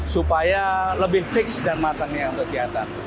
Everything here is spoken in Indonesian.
supaya lebih fix dan matangnya kegiatan